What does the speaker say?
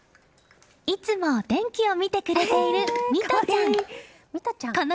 いつもお天気を見てくれている美登ちゃん。